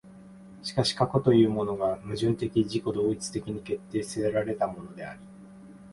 しかし過去というものが矛盾的自己同一的に決定せられたものであり、